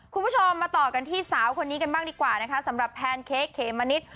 คุณผู้ชมมาต่อกันที่สาวคนนี้กันบ้างดีกว่านะคะสำหรับแพนเค้กเขมมะนิด